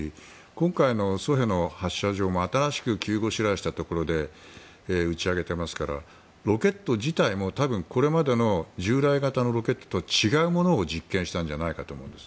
今回のソヘの発射場も新しく急ごしらえしたところで打ち上げてますからロケット自体も多分これまでの従来型のロケットと違うものを実験したんじゃないかと思うんです。